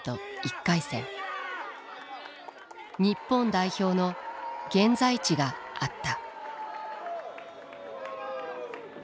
日本代表の現在地があった。